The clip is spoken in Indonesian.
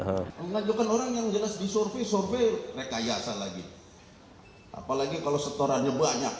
hai mengajukan orang yang jelas disurvey survey rekayasa lagi apalagi kalau setorannya banyak